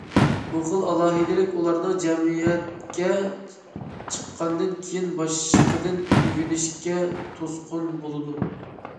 بۇ خىل ئالاھىدىلىك ئۇلارنىڭ جەمئىيەتكە چىققاندىن كېيىن باشقىدىن ئۆگىنىشىگە توسقۇن بولىدۇ.